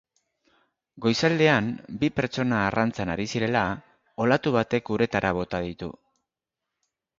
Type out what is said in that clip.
Goizaldean, bi pertsona arrantzan ari zirela, olatu batek uretara bota ditu.